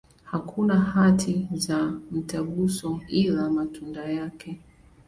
Hakuna hati za mtaguso, ila matunda yake.